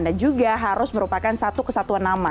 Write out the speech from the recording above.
dan juga harus merupakan satu kesatuan nama